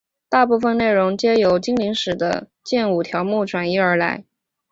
大部分内容皆自精灵使的剑舞条目转移而来。